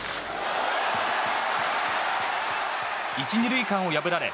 １、２塁間を破られ